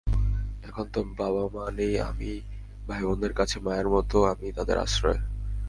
এখন তো বাবা-মা নেই, আমিই ভাইবোনদের কাছে মায়ের মতো, আমিই তাদের আশ্রয়।